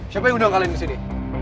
siapa yang udah kalian kesini